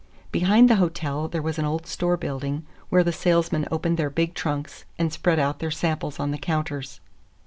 Behind the hotel there was an old store building, where the salesmen opened their big trunks and spread out their samples on the counters.